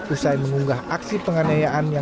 usai mengunggah aksi penganiayaan yang